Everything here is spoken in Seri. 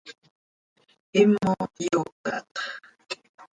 Himo hyoocatx.